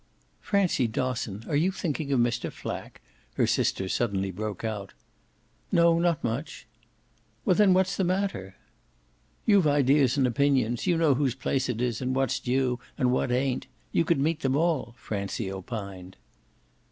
"Francie Dosson, are you thinking of Mr. Flack?" her sister suddenly broke out. "No, not much." "Well then what's the matter?" "You've ideas and opinions; you know whose place it is and what's due and what ain't. You could meet them all," Francie opined.